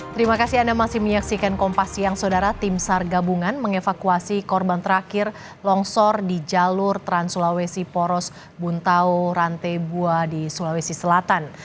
terima kasih anda masih menyaksikan kompas siang saudara tim sar gabungan mengevakuasi korban terakhir longsor di jalur trans sulawesi poros buntau rantai bua di sulawesi selatan